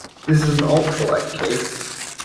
This is an ultralight case.